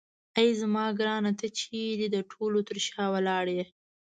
اې زما ګرانه ته چیرې د ټولو تر شا ولاړ یې.